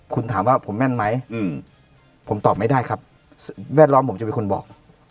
คุณถามว่าผมแม่นไหมผมตอบไม่ได้ครับแวดล้อมผมจะเป็นคนบอก